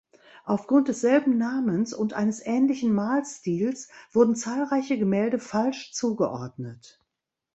Aufgrund desselben Namens und eines ähnlichen Malstils wurden zahlreiche Gemälde falsch zugeordnet.